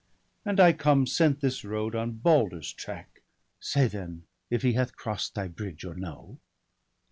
And I come, sent this road on Balder's track; Say then, if he hath cross'd thy bridge or no?'